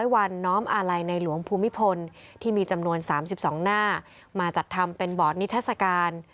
วันน้อมอาลัยในหลวงภูมิพลที่มีจำนวน๓๒หน้ามาจัดทำเป็นบอร์ดนิทัศกาล